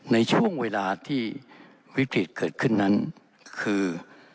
ในช่วงเวลาที่วิกฤตเกิดขึ้นนั้นคือ